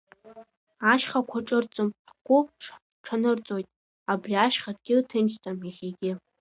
Ашьхақәа ҿырҭӡом, ҳгәы ҳҽанырҵоит, абри ашьха дгьыл ҭынчӡам иахьагьы.